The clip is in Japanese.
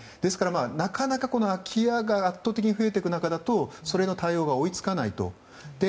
なかなか、空き家が圧倒的に増えていく中だとそれの対応が追いつかないと。